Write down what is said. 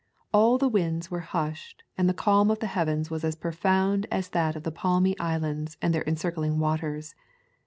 All the winds were hushed and the calm of the heavens was as profound as that of the palmy islands and their encircling waters.